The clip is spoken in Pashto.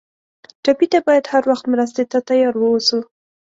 ټپي ته باید هر وخت مرستې ته تیار ووسو.